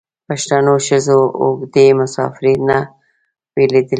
پښتنو ښځو اوږدې مسافرۍ نه وې لیدلي.